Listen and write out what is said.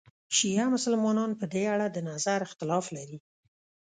شیعه مسلمانان په دې اړه د نظر اختلاف لري.